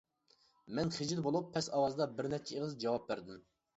مەن خىجىل بولۇپ پەس ئاۋازدا بىرنەچچە ئېغىز جاۋاب بەردىم.